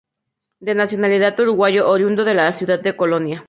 De nacionalidad uruguayo, oriundo de la ciudad de Colonia.